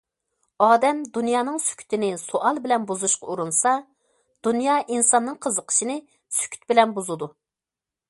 ئادەم دۇنيانىڭ سۈكۈتىنى سوئال بىلەن بۇزۇشقا ئۇرۇنسا، دۇنيا ئىنساننىڭ قىزىقىشىنى سۈكۈت بىلەن بۇزىدۇ.